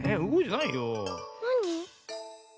なに？